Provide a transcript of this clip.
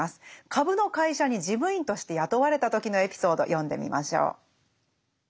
株の会社に事務員として雇われた時のエピソード読んでみましょう。